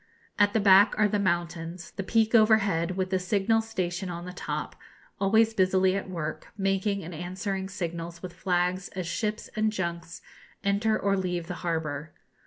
At the back are the mountains, the peak overhead, with the signal station on the top, always busily at work, making and answering signals with flags as ships and junks enter or leave the harbour.